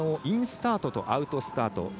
インスタートとアウトスタート。